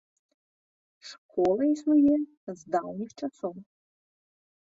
Школа існуе з даўніх часоў.